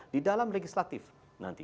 di dalam legislatif nanti